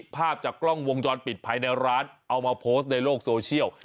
ภาพจากกล้องวงจรปิดภายในร้านเอามาโพสต์ในโลกโซเชียล